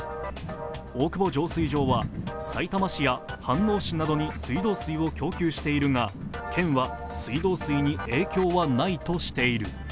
大久保浄水場はさいたま市や飯能市などに水道水を供給しているが、県は水道水に影響はないとしている。